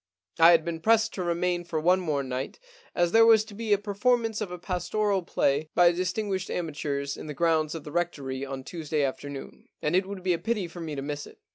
I had been pressed to remain for one more night, as there was to be a per formance of a pastoral play by distinguished amateurs in the grounds of the Rectory on Tuesday afternoon, and it would be a pity for me to miss it.